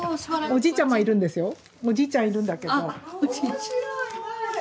おじいちゃんもいるんだけど。